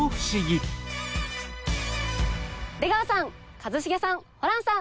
出川さん一茂さんホランさん！